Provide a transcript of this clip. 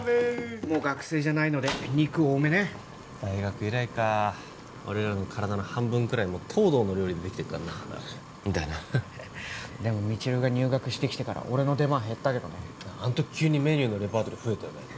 もう学生じゃないので肉多めね大学以来か俺らの体の半分くらいもう東堂の料理でできてるからなだなでも未知留が入学してきてから俺の出番減ったけどねあん時急にメニューのレパートリー増えたよね